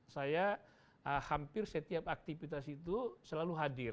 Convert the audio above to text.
saya hampir setiap aktivitas itu selalu hadir